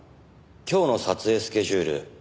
今日の撮影スケジュール